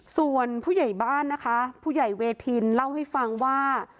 ส่วนผู้ใหญ่บ้านนะคะผู้ใหญ่เวทินเล่าให้ฟังว่า